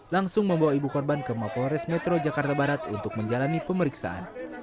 langsung membawa ibu korban ke mapolres metro jakarta barat untuk menjalani pemeriksaan